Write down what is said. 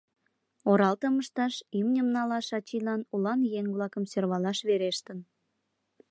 Оралтым ышташ, имньым налаш ачийлан улан еҥ-влакым сӧрвалаш верештын.